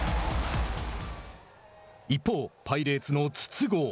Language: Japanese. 一方、パイレーツの筒香。